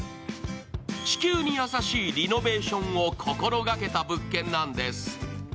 地球に優しいリノベーションを心がけた物件なんです。